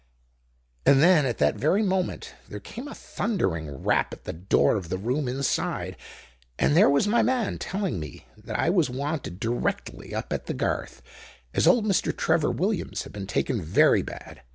"And, then, at that very moment there came a thundering rap at the door of the room inside, and there was my man telling me that I was wanted directly up at the Garth, as old Mr. Trevor Williams had been taken very bad.